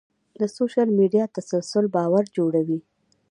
د سوشل میډیا تسلسل باور جوړوي.